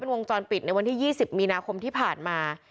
วงจรปิดในวันที่๒๐มีนาคมที่ผ่านมา